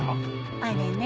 あれね。